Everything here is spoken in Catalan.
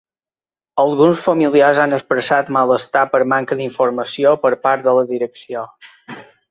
Alguns familiars han expressat malestar per manca d’informació per part de la direcció.